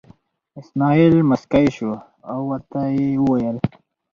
اسمعیل موسکی شو او ورته یې وویل.